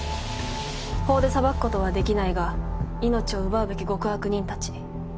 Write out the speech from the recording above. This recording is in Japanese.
法で裁くことはできないが命を奪うべき極悪人たち。